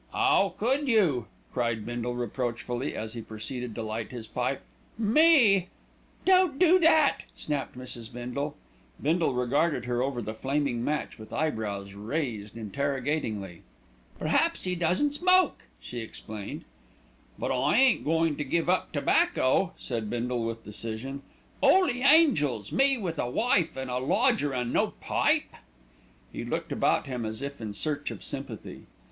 "'Ow could you!" cried Bindle reproachfully, as he proceeded to light his pipe. "Me " "Don't do that!" snapped Mrs. Bindle. Bindle regarded her over the flaming match with eyebrows raised interrogatingly. "Perhaps he doesn't smoke," she explained. "But I ain't goin' to give up tobacco," said Bindle with decision. "'Oly Angels! me with a wife an a lodger an' no pipe!" He looked about him as if in search of sympathy.